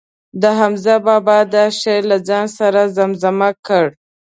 د حمزه بابا دا شعر له ځان سره زمزمه کړ.